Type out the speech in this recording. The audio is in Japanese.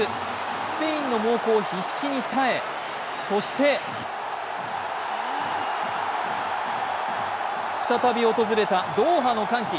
スペインの猛攻を必死に耐えそして再び訪れたドーハの歓喜。